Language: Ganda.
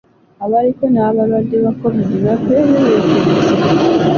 Abaaliko n'abalwadde ba kovidi baveeyo beekebeze.